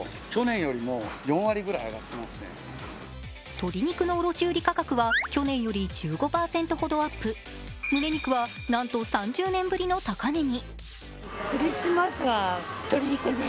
鶏肉の卸売価格は去年より１５％ほどアップ、むね肉はなんと３０年ぶりの高値に。